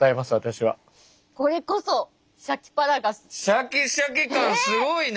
シャキシャキ感すごいね！